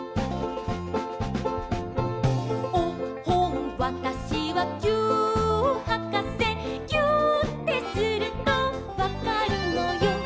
「おっほんわたしはぎゅーっはかせ」「ぎゅーってするとわかるのよ」